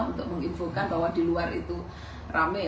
untuk menginfokan bahwa di luar itu rame